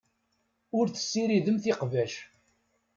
Ur tessiridemt iqbac.